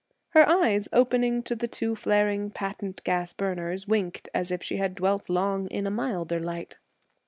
Her eyes, opening to the two flaring patent gas burners, winked as if she had dwelt long in a milder light.